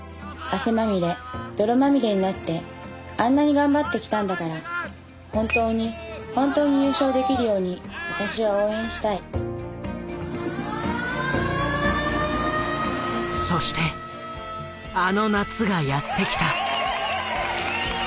汗まみれ泥まみれになってあんなに頑張ってきたんだから本当に本当に優勝できるように私は応援したいそしてあの夏がやって来た。